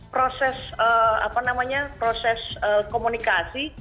proses apa namanya proses komunikasi